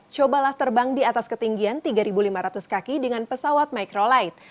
cobalah terbang di atas ketinggian tiga lima ratus kaki dengan pesawat microlight